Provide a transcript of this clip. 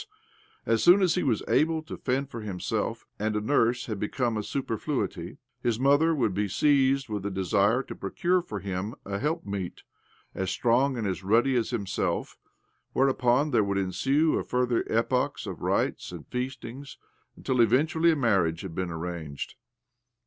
Also as soon as he was able to fend for himself, and a nurse had become a superfluity, his mother would be seized with a desire to procure for him a helpmeet as strong and as ruddy as himself ; whereupon there would ensue a further epoch of rites and feastings, until eventually a marriage had been arranged.